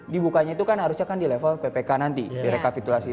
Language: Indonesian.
dibukanya itu kan harusnya kan di level ppk nanti di rekapitulasi